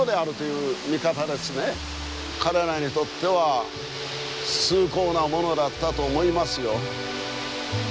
彼らにとっては崇高なものだったと思いますよ。